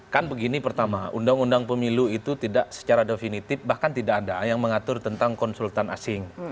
kan begini pertama undang undang pemilu itu tidak secara definitif bahkan tidak ada yang mengatur tentang konsultan asing